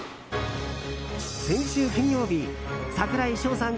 先週金曜日櫻井翔さん